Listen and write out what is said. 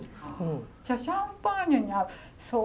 じゃあシャンパーニュに合うそうだな。